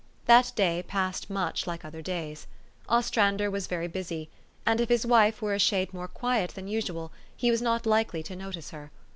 That day passed much like other days. Ostran der was very busy ; and, if his wife were a shade more quiet than usual, he was not likely to notice her.